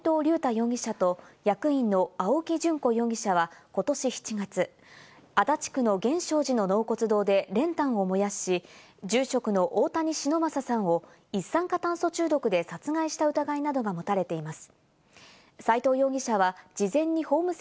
容疑者と役員の青木淳子容疑者はことし７月、足立区の源証寺の納骨堂で練炭を燃やし、住職の大谷忍昌さんを一酸化炭素中毒で殺害した疑いなどが持たれています。